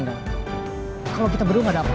kalau kita berdua gak ada apa